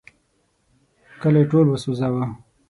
کلی ټول وسوځاوه.